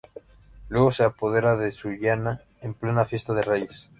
Luego se apodera de Sullana en plena fiesta de Reyes.